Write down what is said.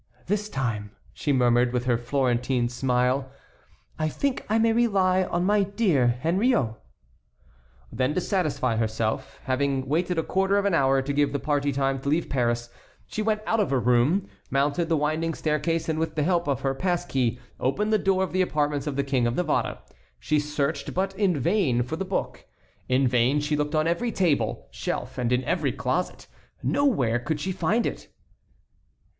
"This time," she murmured, with her Florentine smile, "I think I may rely on my dear Henriot." Then to satisfy herself, having waited a quarter of an hour to give the party time to leave Paris, she went out of her room, mounted the winding staircase, and with the help of her pass key opened the door of the apartments of the King of Navarre. She searched, but in vain, for the book. In vain she looked on every table, shelf, and in every closet; nowhere could she find it.